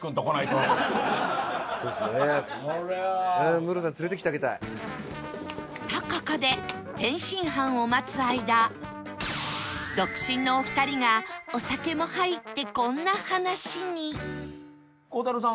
とここで天津飯を待つ間独身のお二人がお酒も入ってこんな話に